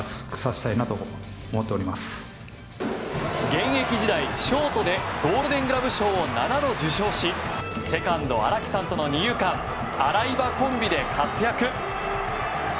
現役時代ショートでゴールデングラブ賞を７度受賞しセカンド、荒木さんとの二遊間アライバコンビで活躍。